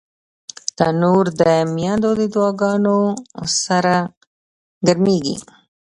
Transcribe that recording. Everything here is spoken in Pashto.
تنور د میندو دعاګانو سره ګرمېږي